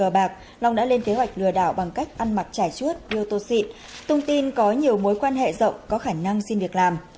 bằng cách ăn mặc trải chuốt đưa tô xịn tung tin có nhiều mối quan hệ rộng có khả năng xin việc làm